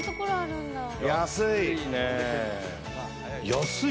安い。